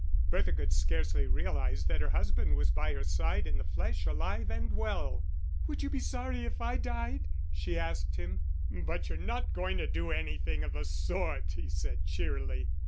Bertha could scarcely realise that her husband was by her side in the flesh, alive and well. "Would you be sorry if I died?" she asked him. "But you're not going to do anything of the sort," he said, cheerily.